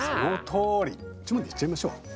こっちまでいっちゃいましょう。